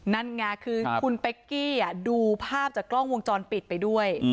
นั่นไงคือคุณเป๊กกี้ดูภาพจากกล้องวงจรปิดไปด้วย